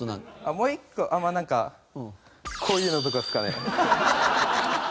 もう１個まあなんかこういうのとかですかね。